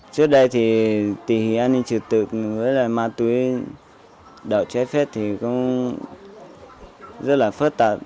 tình hình an ninh trật tự với ma túy đạo chế phép thì rất là phức tạp